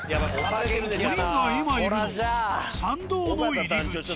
５人が今いるのは山道の入り口。